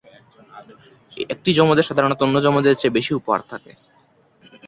একটি যমজের সাধারণত অন্য যমজের চেয়ে বেশি উপহার থাকে।